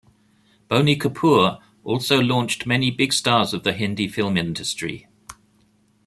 Boney Kapoor also launched many big stars of the Hindi film industry.